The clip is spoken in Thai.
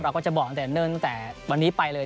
ก็จะบอกตั้งแต่เนื่องตั้งแต่วันนี้ไปเลย